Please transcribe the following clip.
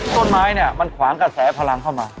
ต้นไม้เนี่ยมันขวางกระแสพลังเข้ามา